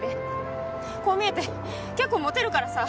こう見えて結構モテるからさ